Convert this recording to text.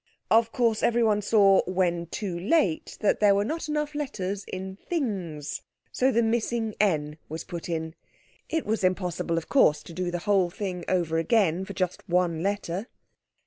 Of course everyone saw when too late that there were not enough letters in "things", so the missing "n"was put in. It was impossible, of course, to do the whole thing over again for just one letter.